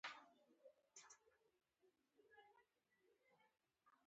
د ژبې د پوهې پراختیا د فکري وړتیاوو په لوړولو کې مرسته کوي.